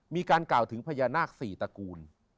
มีการกล่าวถึงพญานาค๔ตระกูล